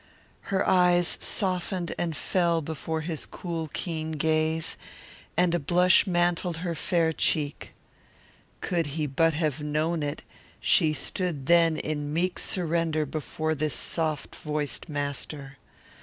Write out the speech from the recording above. Her eyes softened and fell before his cool, keen gaze, and a blush mantled her fair cheek. Could he but have known it, she stood then in meek surrender before this soft voiced master.